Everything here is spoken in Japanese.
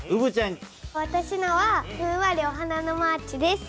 私のは「ふんわりお花のマーチ」です。